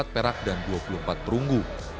empat puluh empat perak dan dua puluh empat perunggu